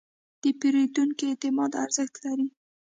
د پیرودونکي اعتماد ارزښت لري.